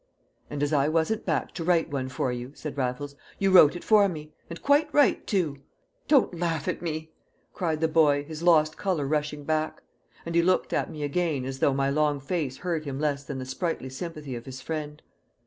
"And as I wasn't back to write one for you," said Raffles, "you wrote it for me. And quite right, too!" "Don't laugh at me!" cried the boy, his lost colour rushing back. And he looked at me again as though my long face hurt him less than the sprightly sympathy of his friend.